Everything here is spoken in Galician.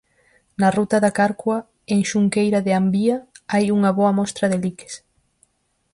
Na ruta da Carcua, en Xunqueira de Ambía, hai unha boa mostra de liques.